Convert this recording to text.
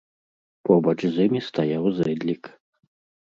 Побач з імі стаяў зэдлік.